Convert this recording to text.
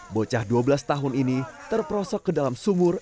bocah dua belas tahun ini terprosok ke dalam sumur